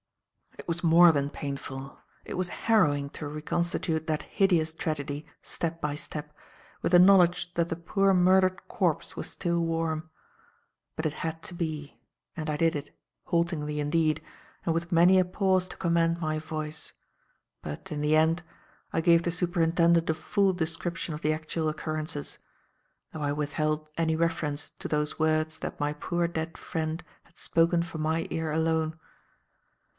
It was more than painful; it was harrowing to reconstitute that hideous tragedy, step by step, with the knowledge that the poor murdered corpse was still warm. But it had to be, and I did it, haltingly, indeed, and with many a pause to command my voice; but in the end, I gave the superintendent a full description of the actual occurrences, though I withheld any reference to those words that my poor dead friend had spoken for my ear alone.